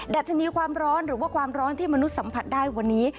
ัชนีความร้อนหรือว่าความร้อนที่มนุษย์สัมผัสได้วันนี้